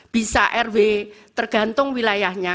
bisa rw tergantung wilayahnya